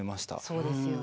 そうですよね。